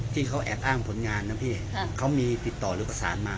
ที่เขาแอบอ้างผลงานนะพี่เขามีติดต่อหรือประสานมา